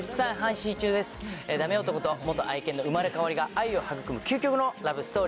ダメ男と愛犬の生まれ変わりが愛を育む究極のラブストーリー。